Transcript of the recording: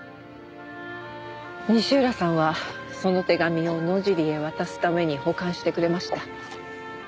西浦さんはその手紙を野尻へ渡すために保管してくれました。